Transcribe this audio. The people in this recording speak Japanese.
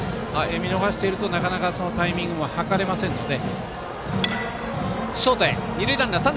見逃していると、なかなかタイミングもはかれませんので。